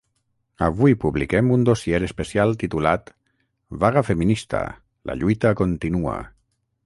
Avui publiquem un dossier especial titulat ‘Vaga feminista: la lluita continua’.